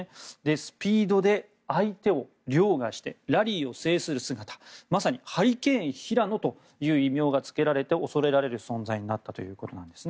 スピードで相手を凌駕してラリーを制する姿まさにハリケーンヒラノという異名がつけられて恐れられる存在になったということです。